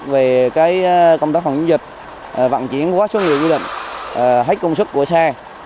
về cái công tác phòng chống dịch vạn chuyển quá số người quy định hết công sức của xe